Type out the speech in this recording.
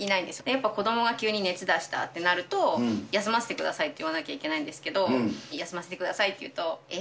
やっぱ子どもが急に熱出したってなると、休ませてくださいって言わなきゃいけないんですけど、休ませてくださいって言うと、え？